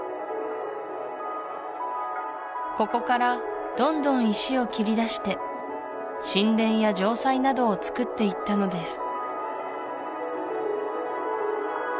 ここからどんどん石を切り出して神殿や城塞などをつくっていったのです